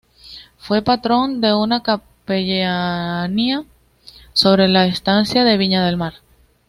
Fue patrón de una Capellanía sobre la estancia de Viña del Mar.